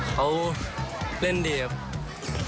เขาเล่นดีครับ